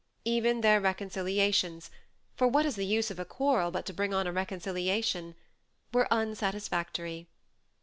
Even their reconciliations — for what is the use of a quarrel, but to bring on a reconciliation ?— were unsatisfactory.